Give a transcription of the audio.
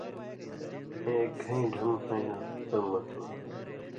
اېں اېک (گھَیں) ڈھم ہوئیاں تمہۡ مہ تھو،